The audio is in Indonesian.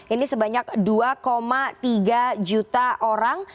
ini sebanyak dua tiga juta orang